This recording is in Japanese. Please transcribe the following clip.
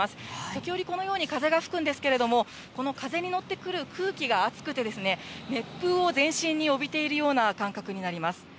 時折、このように風が吹くんですけれども、この風に乗ってくる空気があつくて、熱風を全身に帯びているような感覚になります。